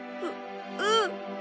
うん。